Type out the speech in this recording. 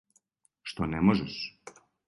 Што не можеш.